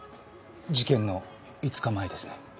事件の５日前ですね。